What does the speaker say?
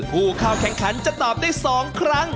ผู้เข้าแข่งขันจะตอบได้๒ครั้ง